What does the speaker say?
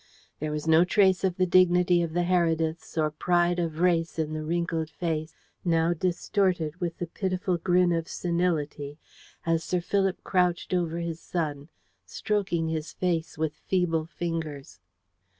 There was no trace of the dignity of the Herediths or pride of race in the wrinkled face, now distorted with the pitiful grin of senility, as Sir Philip crouched over his son, stroking his face with feeble fingers.